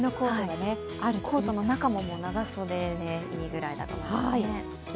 コートの中も長袖でいいくらいだと思います。